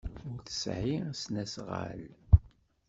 Ur tesɛi asnasɣal.